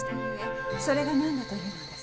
それが何だというのです？